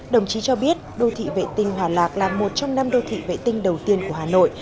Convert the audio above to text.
đồng chí cho biết đô thị vệ tinh hòa lạc là một trong năm đô thị vệ tinh đầu tiên của hà nội